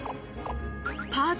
パーツ